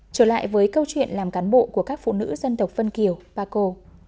trở lại với câu chuyện làm cán bộ của các phụ nữ dân tộc vân kiều bà cô